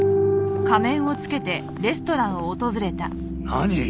何？